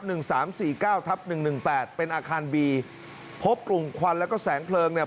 หนึ่งสามสี่เก้าทับหนึ่งหนึ่งแปดเป็นอาคารบีพบกลุ่มควันแล้วก็แสงเพลิงเนี่ย